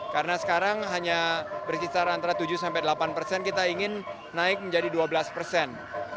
karena sekarang hanya berkisar antara tujuh delapan persen kita ingin naik menjadi dua belas persen